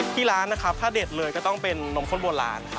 ที่ร้านถ้าเด็ดเลยก็ต้องเป็นนมโค้นโบราณ